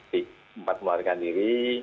empat pemerikan diri